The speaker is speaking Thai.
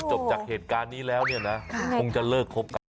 จบจากเหตุการณ์นี้แล้วเนี่ยนะคงจะเลิกคบกัน